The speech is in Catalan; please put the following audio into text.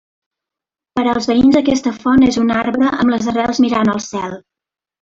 Per als veïns aquesta font és un arbre amb les arrels mirant al cel.